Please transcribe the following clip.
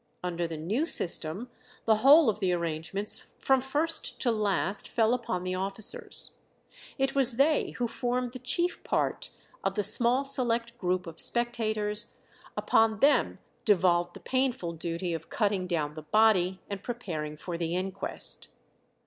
Under the new system the whole of the arrangements from first to last fell upon the officers. It was they who formed the chief part of the small select group of spectators; upon them devolved the painful duty of cutting down the body and preparing for the inquest.